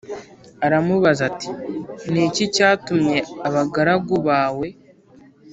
aramubaza ati Ni iki cyatumye abagaragu bawe